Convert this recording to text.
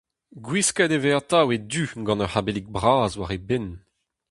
Gwisket e vez atav e du gant ur c'habellig bras war e benn.